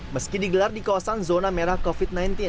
meski digelar di kawasan zona merah covid sembilan belas